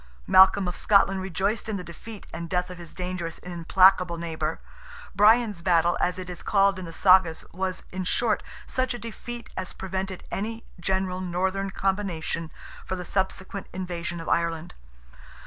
Malcolm of Scotland rejoiced in the defeat and death of his dangerous and implacable neighbour. "Brian's battle," as it is called in the Sagas, was, in short, such a defeat as prevented any general northern combination for the subsequent invasion of Ireland.